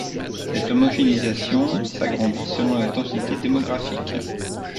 Cette homogénéisation s’agrandit selon la densité démographique.